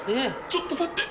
ちょっと待って。